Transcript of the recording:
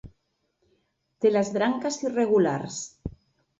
Té les branques irregulars.